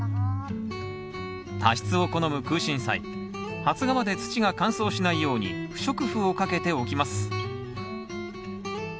多湿を好むクウシンサイ発芽まで土が乾燥しないように不織布をかけておきます